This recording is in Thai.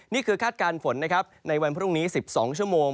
คาดการณ์ฝนนะครับในวันพรุ่งนี้๑๒ชั่วโมง